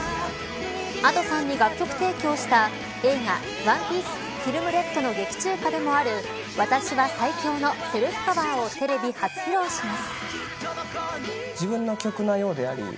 Ａｄｏさんに楽曲提供した映画ＯＮＥＰＩＥＣＥＦＩＬＭＲＥＤの劇中歌でもある私は最強のセルフカバーをテレビ初披露します。